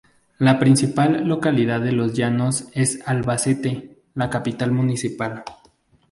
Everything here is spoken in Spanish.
La principal localidad de Los Llanos es Albacete, la capital municipal.